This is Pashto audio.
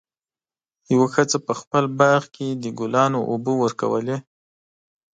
یوه ښځه په خپل باغ کې د ګلانو اوبه ورکولې.